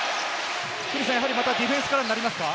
またディフェンスからになりますか？